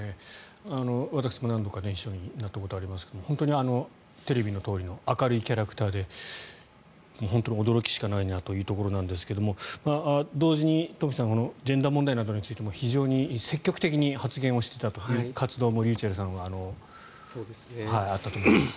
私も何度か一緒になったことありますが本当にテレビのとおりの明るいキャラクターで本当に驚きしかないなというところですが同時に、東輝さんジェンダー問題についても非常に積極的に発言をしていたという活動もｒｙｕｃｈｅｌｌさんはあったと思います。